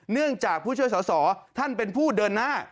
เนื่องจากผู้ช่วยสอสอท่านเป็นผู้เดินหน้า